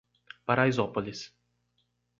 Paraisópolis